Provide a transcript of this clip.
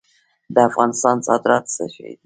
د افغانستان صادرات څه دي؟